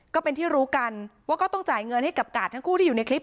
ก็เป็นที่รู้กันว่าก็ต้องจ่ายเงินให้กับกาดทั้งคู่ที่อยู่ในคลิป